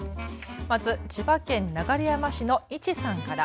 まず千葉県流山市のｉｃｈｉさんから。